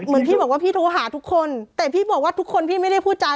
เหมือนพี่บอกว่าพี่โทรหาทุกคนแต่พี่บอกว่าทุกคนพี่ไม่ได้พูดจา